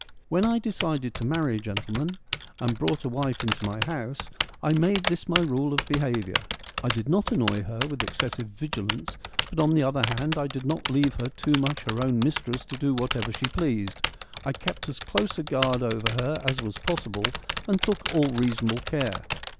When I decided to marry, gentlemen, and brought a wife into my house, I made this my rule of behaviour. I did not annoy her with excessive vigilance, but on the other hand, I did not leave her too much her own mistress to do whatever she pleased. I kept as close a guard over her as was possible and took all reasonable care.